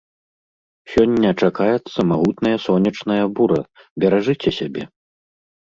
Сёння чакаецца магутная сонечная бура, беражыце сябе!